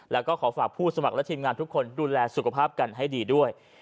แล้วก็ขอฝากผู้สมัครและทีมงานทุกคนดูแลสุขภาพกันให้ดีด้วย